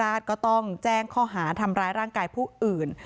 ก็ต้องแจ้งข้อหาทำร้ายร่างกายผู้อื่น